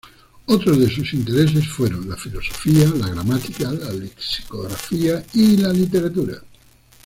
Otros de sus intereses fueron la filosofía, la gramática, la lexicografía y la literatura.